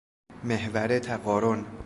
محور تقارن